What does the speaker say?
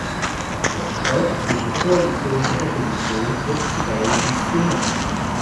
Der Streit zwischen Koalition und Opposition wirkt zuweilen inszeniert.